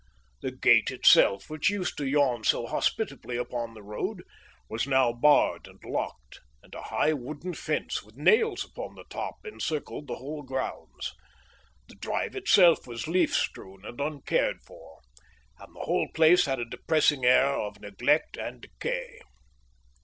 The gate itself, which used to yawn so hospitably upon the road, was now barred and locked, and a high wooden fence, with nails upon the top, encircled the whole grounds. The drive itself was leaf strewn and uncared for, and the whole place had a depressing air of neglect and decay.